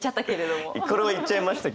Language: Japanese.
これを言っちゃいましたけど。